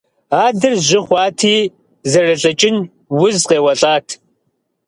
Адэр жьы хъуати зэрылӀыкӀын уз къеуэлӀат.